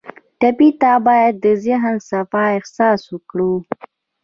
ټپي ته باید د ذهن صفا احساس ورکړو.